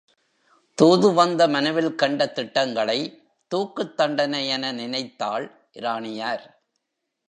தூது வந்த மனுவில் கண்ட திட்டங்களைத் தூக்குத் தண்டனையென நினைத்தாள் இராணியார்.